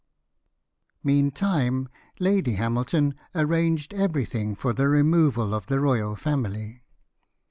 Meantime Lady Hamilton arranged everything for the removal of the royal family.